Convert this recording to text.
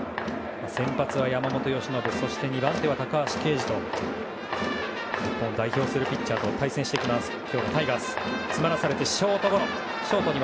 先発は山本由伸そして２番手は高橋奎二と日本を代表するピッチャーと対戦していく今日のタイガース。